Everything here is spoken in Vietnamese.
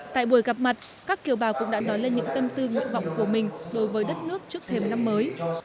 tại buổi gặp mặt các kiều bào cũng đã nói lên những tâm tư nguyện vọng của mình đối với đất nước trước thêm năm mới